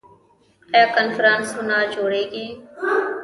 آیا کنفرانسونه جوړیږي؟